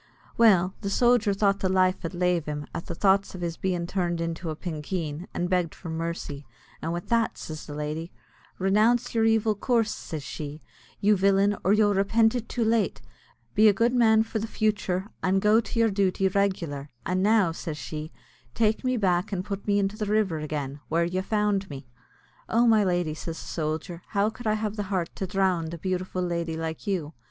Well the sojer thought the life id lave him, at the thoughts iv his bein' turned into a pinkeen, and begged for mercy; and with that says the lady "Renounce your evil coorses," says she, "you villain, or you'll repint it too late; be a good man for the futhur, and go to your duty reg'lar, and now," says she, "take me back and put me into the river again, where you found me." "Oh, my lady," says the sojer, "how could I have the heart to drownd a beautiful lady like you?"